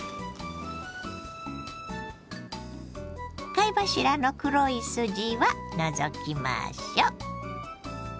貝柱の黒い筋は除きましょう。